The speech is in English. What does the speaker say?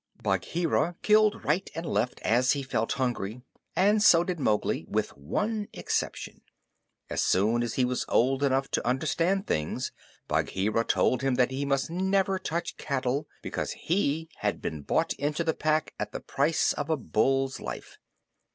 Bagheera killed right and left as he felt hungry, and so did Mowgli with one exception. As soon as he was old enough to understand things, Bagheera told him that he must never touch cattle because he had been bought into the Pack at the price of a bull's life.